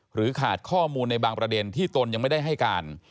ขาดข้อมูลในบางประเด็นที่ตนยังไม่ได้ให้การ